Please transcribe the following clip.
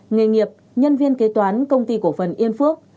nghề nghiệp nhân viên kế toán công ty cổ phần yên phước